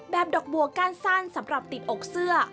ดอกบัวก้านสั้นสำหรับติดอกเสื้อ